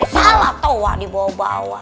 salah toa dibawa bawa